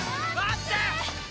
待ってー！